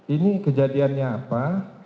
ini kejadiannya apa